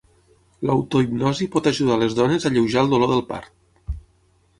L'autohipnosi pot ajudar les dones a alleujar el dolor del part.